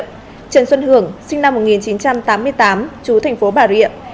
trần xuân hưởng sinh năm một nghìn chín trăm tám mươi tám chú thành phố bà rịa